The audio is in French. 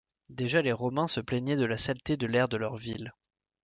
Déjà les Romains se plaignaient de la saleté de l'air de leur ville.